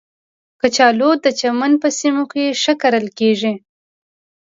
کچالو د چمن په سیمو کې ښه کرل کېږي